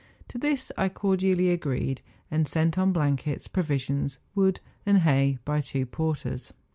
To this I cordially agreed, and sent on blankets, provi¬ sions, wood, and hay, by two porters.